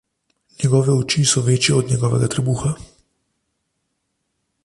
Njegove oči so večje od njegovega trebuha.